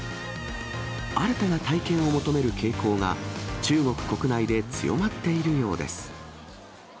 新たな体験を求める傾向が中国国内で強まっているようです。